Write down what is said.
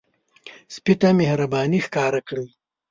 سپي ته مهرباني ښکار کړئ.